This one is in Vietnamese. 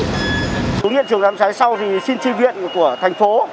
xuống hiện trường đám cháy sau thì xin tri viện của thành phố